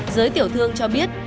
giới tiểu thương cho biết